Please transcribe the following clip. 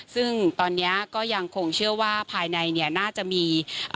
ซึ่งตอนเนี้ยก็ยังคงเชื่อว่าภายในเนี่ยน่าจะมี